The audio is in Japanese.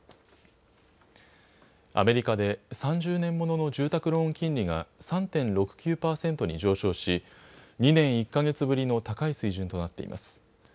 アメリカで３０年ものの住宅ローン金利が３．６９％に上昇し、２年１か月ぶりの高い水準となっています。